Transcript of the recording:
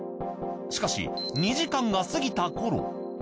しかし２時間が過ぎた頃。